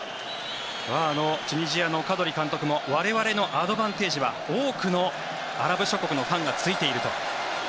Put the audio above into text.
チュニジアのカドリ監督も我々のアドバンテージは多くのアラブ諸国のファンがついていると。